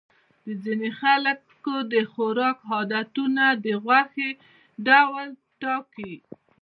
د ځینو خلکو د خوراک عادتونه د غوښې ډول ټاکي.